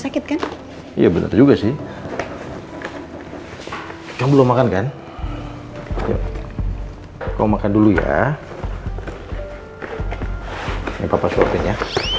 sakit kan iya bener juga sih kamu mau makan kan kau makan dulu ya ini papa suapinnya